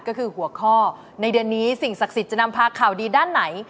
ก็คือหัวข้อในเดือนนี้สิ่งศักดิ์สิทธิ์จะนำพาข่าวดีด้านไหน